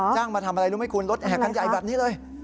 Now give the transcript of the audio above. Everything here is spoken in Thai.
มาทำอะไรรู้ไหมคุณรถแห่คันใหญ่แบบนี้เลย